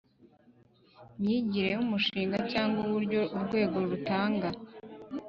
Myigire y umushinga cyangwa uburyo urwego rutanga